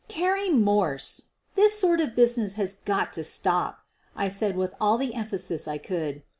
"Carrie Morse, this sort of business has got to stop," I said with all the emphasis I could.